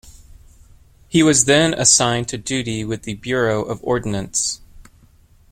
He was then assigned to duty with the Bureau of Ordnance.